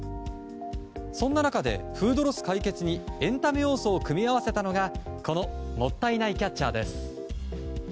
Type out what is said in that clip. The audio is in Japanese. そんな中でフードロス解決にエンタメ要素を組み合わせたのがこのもったいないキャッチャーです。